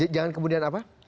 jangan kemudian apa